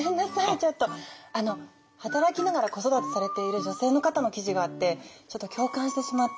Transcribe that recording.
ちょっとあの働きながら子育てされている女性の方の記事があってちょっと共感してしまって。